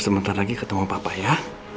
sebentar lagi ketemu papa ya